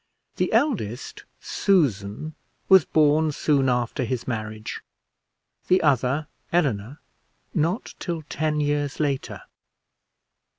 The eldest, Susan, was born soon after his marriage; the other, Eleanor, not till ten years later.